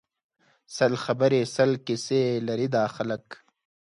سل خبری سل کیسی لري دا خلک